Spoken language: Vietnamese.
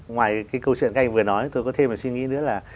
ngoài cái câu chuyện ngay vừa nói tôi có thêm một suy nghĩ nữa là